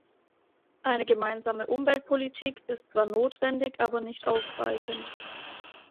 Eine gemeinsame Umweltpolitik ist zwar notwendig, aber nicht ausreichend.